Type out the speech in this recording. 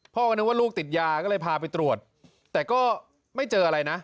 พ่อก็นึกว่าลูกติดยาก็เลยพาไปตรวจแต่ก็ไม่เจออะไรนะ